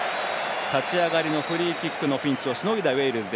立ち上がりのフリーキックのピンチをしのいだウェールズ。